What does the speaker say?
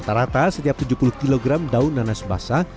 rata rata setiap tujuh puluh kg daun nanas basah